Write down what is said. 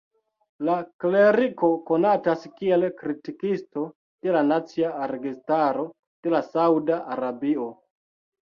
La kleriko konatas kiel kritikisto de la nacia registaro de Sauda Arabio.